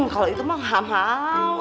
kalau itu mah nggak mau